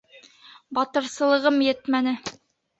Батырсылығым етмәне.